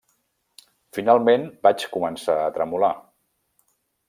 Finalment vaig començar a tremolar.